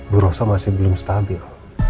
bu roso masih belum stabil